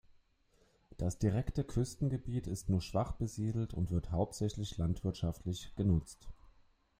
Das direkte Küstengebiet ist nur schwach besiedelt und wird hauptsächlich landwirtschaftlich genutzt.